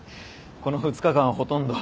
この２日間ほとんど。